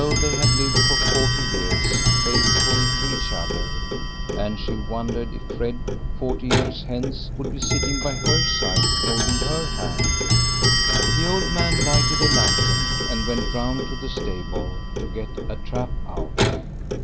So they had lived for forty years, faithful to each other, and she wondered if Fred forty years hence would be sitting by her side holding her hand. The old man lighted a lantern and went round to the stable to get a trap out.